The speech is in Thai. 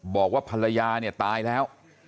บอกว่าภรรยาเนี่ยตายแล้ว